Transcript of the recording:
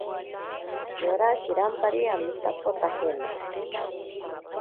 Yora shirampari amitakotajena.